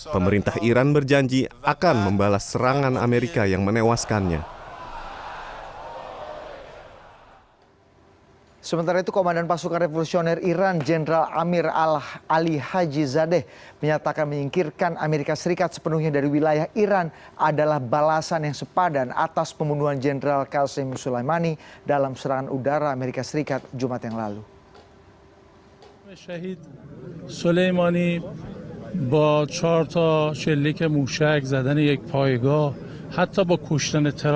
pemerintah iran berjanji akan membalas serangan amerika yang menewaskan jumat pekan yang tersebut